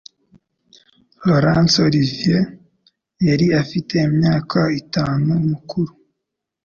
Laurence Olivier yari afite imyaka itanu mukuru,